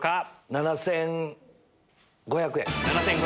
７５００円。